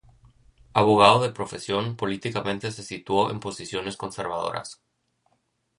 Abogado de profesión, políticamente se situó en posiciones conservadoras.